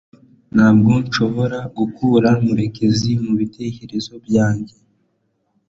Ntabwo nshobora gukura murekezi mubitekerezo byanjye